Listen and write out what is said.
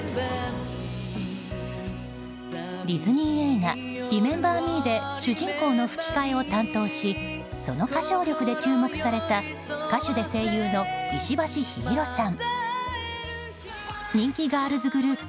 ディズニー映画「リメンバー・ミー」で主人公の吹き替えを担当しその歌唱力で注目された歌手で声優の石橋陽彩さん。